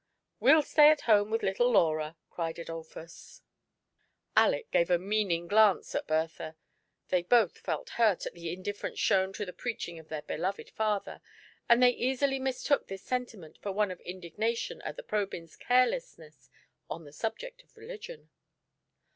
" We'll stay at home with little Laura," cried Adol phus. 86 SUNDAY AT DOVE*S NEST. Aleck gave a meaning glance at Bertha ; they both felt hurt at the indiflference shown to the preaching of their beloved father, and they easily mistook this senti ment for one of indignation at the Probyns' carelessness on the subject of religion.